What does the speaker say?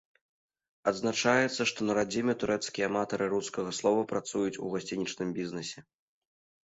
Адзначаецца, што на радзіме турэцкія аматары рускага слова працуюць у гасцінічным бізнэсе.